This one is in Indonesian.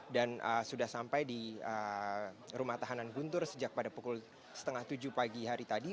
dan sudah sampai di rumah tahanan guntur sejak pada pukul setengah tujuh pagi hari tadi